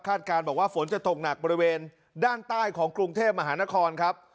การบอกว่าฝนจะตกหนักบริเวณด้านใต้ของกรุงเทพมหานครครับ